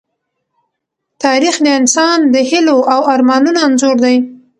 تاریخ د انسان د هيلو او ارمانونو انځور دی.